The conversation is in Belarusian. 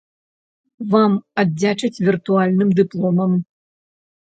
Вам аддзячаць віртуальным дыпломам.